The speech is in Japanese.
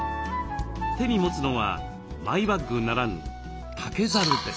手に持つのはマイバッグならぬ「竹ざる」です。